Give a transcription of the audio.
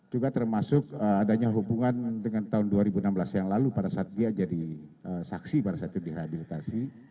juga termasuk adanya hubungan dengan tahun dua ribu enam belas yang lalu pada saat dia jadi saksi pada saat itu direhabilitasi